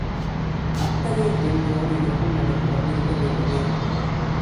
அத்தகைய தெம்பு தான் இதற்குள் நமக்கு வந்திருக்க வேண்டுமே!